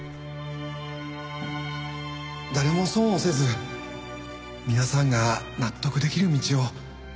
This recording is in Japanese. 誰も損をせず皆さんが納得できる道を。